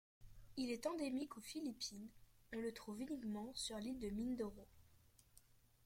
Il est endémique aux Philippines, on le trouve uniquement sur l'île de Mindoro.